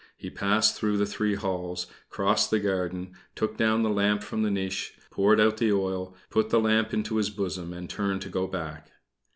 He passed through the three halls, crossed the garden, took down the lamp from the niche, poured out the oil, put the lamp into his bosom, and turned to go back.